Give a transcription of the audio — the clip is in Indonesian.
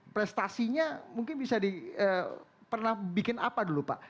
prestasinya mungkin bisa pernah bikin apa dulu pak